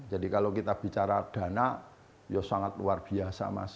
jadi kalau kita bicara dana ya sangat luar biasa mas